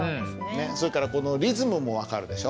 それからこのリズムも分かるでしょ。